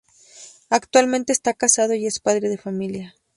Actualmente está casado y es padre de familia.